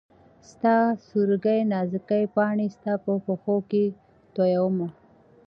ستا سورکۍ نازکي پاڼي ستا په پښو کي تویومه